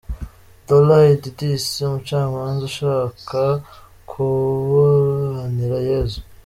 Dola Indidis, Umucamanza ushaka kuburanira Yezu.